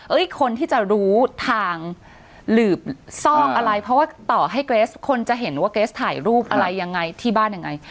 คนที่จะรู้ทางหลืบซอกอะไรเพราะว่าต่อให้เกรสคนจะเห็นว่าเกรสถ่ายรูปอะไรยังไงที่บ้านยังไง